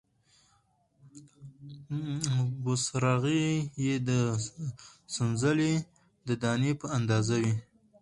بوسراغې یې د سنځلې د دانې په اندازه وې،